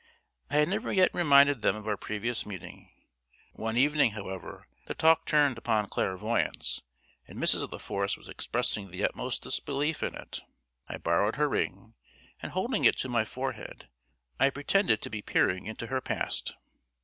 I had never yet reminded them of our previous meeting. One evening, however, the talk turned upon clairvoyance, and Mrs. La Force was expressing the utmost disbelief in it. I borrowed her ring, and holding it to my forehead, I pretended to be peering into her past.